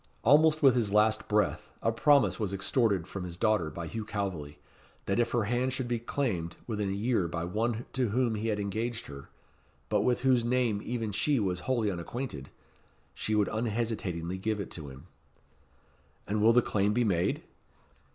Almost with his last breath, a promise was extorted from his daughter by Hugh Calveley, that if her hand should be claimed within a year by one to whom he had engaged her, but with whose name even she was wholly unacquainted, she would unhesitatingly give it to him." "And will the claim be made?"